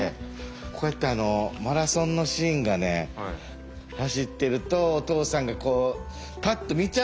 こうやってマラソンのシーンがね走ってるとおとうさんがパッと見ちゃうんですね